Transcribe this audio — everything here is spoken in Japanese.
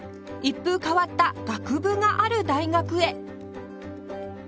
一風変わった学部がある大学へ